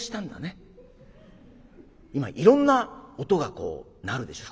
今いろんな音が鳴るでしょ？